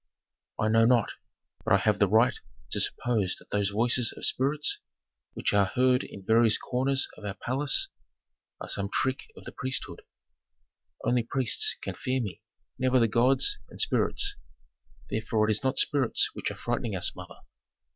"I know not. But I have the right to suppose that those voices of spirits, which are heard in various corners of our palace, are some trick of the priesthood. Only priests can fear me, never the gods, and spirits. Therefore it is not spirits which are frightening us, mother."